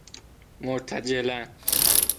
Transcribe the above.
مرتجلا ً